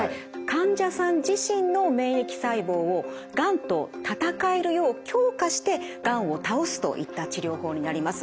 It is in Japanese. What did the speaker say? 患者さん自身の免疫細胞をがんと戦えるよう強化してがんを倒すといった治療法になります。